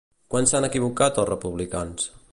Quan s'han equivocat els republicans?